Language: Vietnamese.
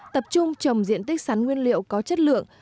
tập trung trồng diện tích sắn nguyên liệu có chất lượng